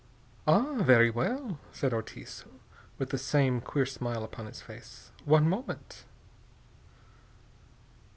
"Ah, very well," said Ortiz, with the same queer smile upon his face. "One moment."